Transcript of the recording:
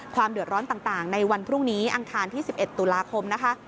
ความเดือดร้อนต่างในวันพรุ่งนี้อังคารที่๑๑ตุลาคมนะคะ